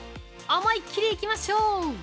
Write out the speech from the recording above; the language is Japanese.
思いっ切りいきましょう。